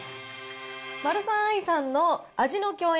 マルサンアイさんの味の饗宴